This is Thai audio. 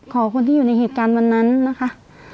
ขอคนที่อยู่ในเหตุการณ์วันนั้นนะคะ